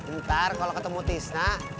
ntar kalau ketemu tisna